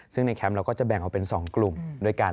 ซึ่งในแคมป์เราก็จะแบ่งออกเป็น๒กลุ่มด้วยกัน